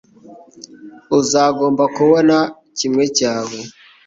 Uzagomba kubona kimwe cyawe